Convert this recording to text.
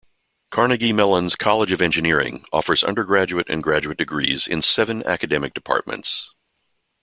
Carnegie Mellon's College of Engineering offers undergraduate and graduate degrees in seven academic departments.